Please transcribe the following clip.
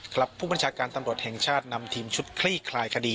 ครับผู้บัญชาการตำรวจแห่งชาตินำทีมชุดคลี่คลายคดี